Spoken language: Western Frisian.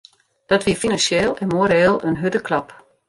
Dat wie finansjeel en moreel in hurde klap.